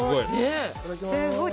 すごい。